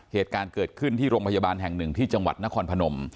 เหตุการณ์เกิดขึ้นที่โรงพยาบาลแห่งหนึ่งที่จังหวัดนครพนม